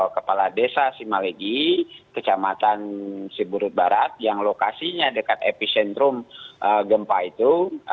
kepala desa simalegi kecamatan siburut barat yang lokasinya dekat epicentrum gempa itu